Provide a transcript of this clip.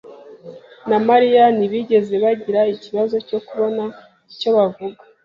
na Mariya ntibigeze bagira ikibazo cyo kubona icyo bavuga.